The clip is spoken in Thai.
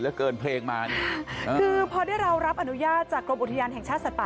แล้วเกินเพลงมาเนี่ยคือพอได้รับอนุญาตจากกรมอุทยานแห่งชาติสัตว์